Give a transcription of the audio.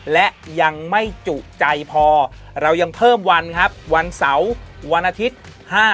และยังไม่จุใจพอเรายังเพิ่มวันครับวันเสาร์วันอาทิตย์